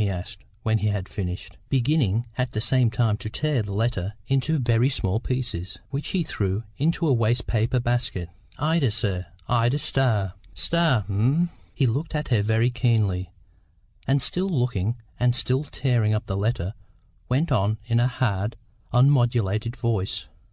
he asked, when he had finished, beginning, at the same time, to tear the letter into very small pieces, which he threw into a waste paper basket. "Ida, sir, Ida Starr." "Starr, eh?" He looked at her very keenly, and, still looking, and still tearing up the letter, went on in a hard, unmodulated voice.